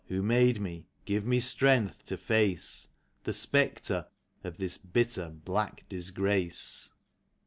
who made me, give me strength to face The spectre of this bitter, black disgrace."